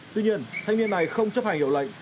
tuy nhiên thanh niên này không chấp hành hiệu lệnh